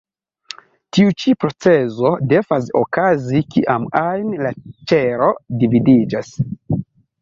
Tiu ĉi procezo devas okazi kiam ajn la ĉelo dividiĝas.